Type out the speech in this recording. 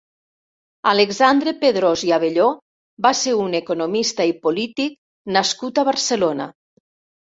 Alexandre Pedrós i Abelló va ser un economista i polític nascut a Barcelona.